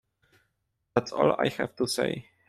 That's all I have to say.